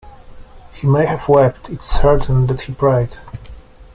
He may have wept; it is certain that he prayed.